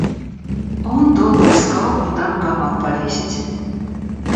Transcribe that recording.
Он долго искал, куда бы гамак повесить.